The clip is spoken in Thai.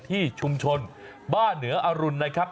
ที่ชุมชนบ้านเหนืออรุณนะครับ